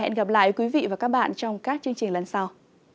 hẹn gặp lại quý vị và các bạn trong các chương trình lần sau